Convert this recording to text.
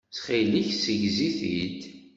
Ttxilek ssegzi-t-id.